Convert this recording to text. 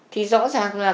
thì rõ ràng là